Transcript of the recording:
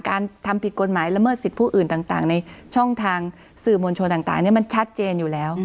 การทำผิดกฎหมายละเมิดสิทธิ์ผู้อื่นต่างในช่องทางสื่อมวลชนต่างมันชัดเจนอยู่แล้ว